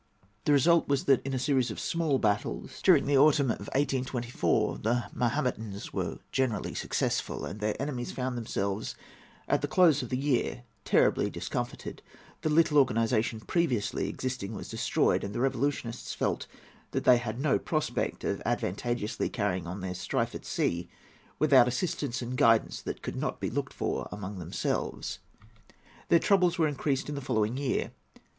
The result was that in a series of small battles during the autumn of 1824 the Mahometans were generally successful, and their enemies found themselves at the close of the year terribly discomfited The little organization previously existing was destroyed, and the revolutionists felt that they had no prospect of advantageously carrying on their strife at sea without assistance and guidance that could not be looked for among themselves. Their troubles were increased in the following year.